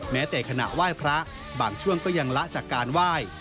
แม้แต่ขณะไหว้พระบางช่วงก็ยังละจากการไหว้